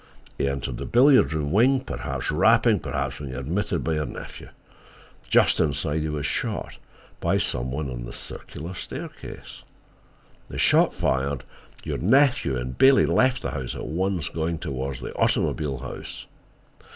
He entered the billiard room wing—perhaps rapping, and being admitted by your nephew. Just inside he was shot, by some one on the circular staircase. The shot fired, your nephew and Bailey left the house at once, going toward the automobile house.